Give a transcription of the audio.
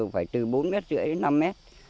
phải từ bốn m năm đến năm m